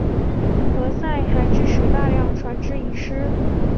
何塞还致使大量船只遗失。